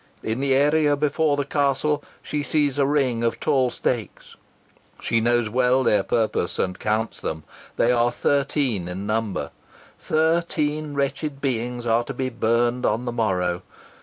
In the area before the Castle she sees a ring of tall stakes. She knows well their purpose, and counts them. They are thirteen in number. Thirteen wretched beings are to be burned on the morrow.